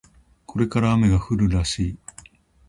これから雨が降るらしい